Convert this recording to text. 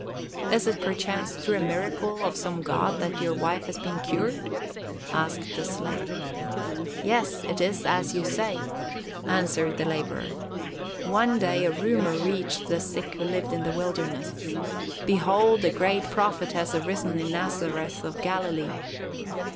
"Is it perchance through a miracle of some god that your wife has been cured?" asked the slave. "Yes, it is as you say," answered the laborer. "One day a rumor reached the sick who lived in the wilderness: 'Behold, a great Prophet has arisen in Nazareth of Galilee.